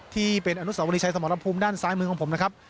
ที่เป็นอนุสาวรีชัยสมรภูมิด้านซ้ายมือของผมนะครับ